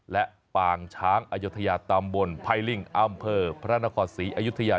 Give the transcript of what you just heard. และปางช้างอยุธยาตำบลไพรลิ่งอำเภอพระนครศรีอยุธยา